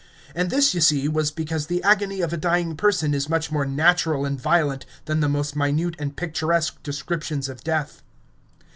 And this, you see, was because the agony of a dying person is much more natural and violent than the most minute and picturesque descriptions of death.